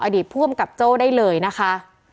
อดีตผู้อำกับโจ้ได้เลยนะคะ